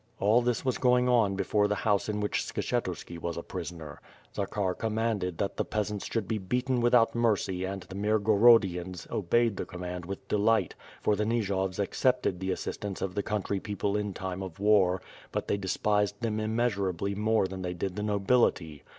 All this was going on before the house in which Skshetuski was a prisoner. Zakhar commanded that the peasants should be beaten without mercy and the Mirgorodi ans obeyed the command with delight, for the Nijovs ac cepted the assistance of the country people in time of war, but they despised them immeasurably more than they did the nobility.